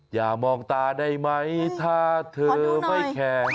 อย่ามองตาได้ไหมถ้าเธอไม่แข่ง